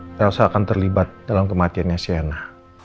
mama elsa akan terlibat dalam kematiannya sienna